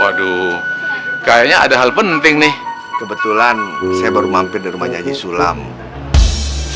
aduh dia gawat nih berapin urusannya nih